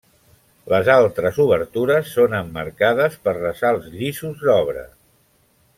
Les altres obertures són emmarcades per ressalts llisos d'obra.